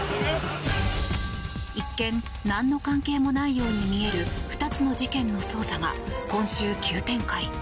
一見何の関係もないように見える２つの事件の捜査が今週、急展開。